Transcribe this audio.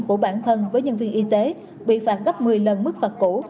của bản thân với nhân viên y tế bị phạt gấp một mươi lần mức phạt cũ